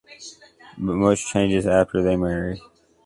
But much changes after they marry.